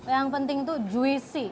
yang penting tuh juisi